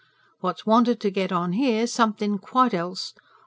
What's wanted to get on here's somethin' quite else.